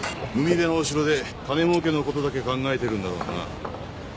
海辺のお城で金もうけのことだけ考えてるんだろうな。